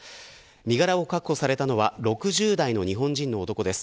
身柄を確保されたのは６０代の日本人の男です。